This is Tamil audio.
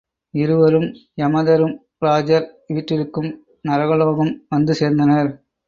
இருவரும் யமதரும்ராஜர் வீற்றிருக்கும் நரகலோகம் வந்து சேர்ந்தனர்.